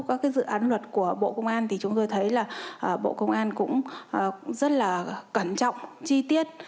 các dự án luật của bộ công an thì chúng tôi thấy là bộ công an cũng rất là cẩn trọng chi tiết